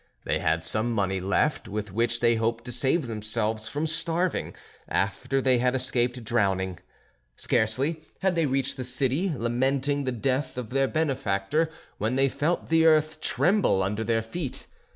They had some money left, with which they hoped to save themselves from starving, after they had escaped drowning. Scarcely had they reached the city, lamenting the death of their benefactor, when they felt the earth tremble under their feet.